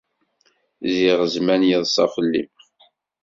Ziɣ zzman yeḍsa fell-i.